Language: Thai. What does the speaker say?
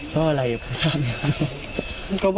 ก็อะไรอยู่ในภาษาไหมครับ